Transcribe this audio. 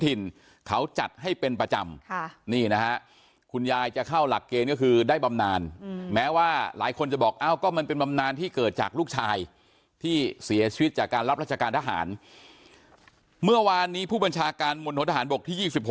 ตเหลือไม่ได้บำนานแม้ว่าหลายคนจะบอกเอาก็มันเป็นบำนานที่เกิดจากลูกชายที่เสียชีวิตจากการรับราชการทหารเมื่อวานนี้ผู้บัญชาการบนหกทหารบกที่๒๖